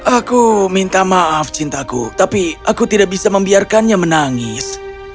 aku minta maaf cintaku tapi aku tidak bisa membiarkannya menangis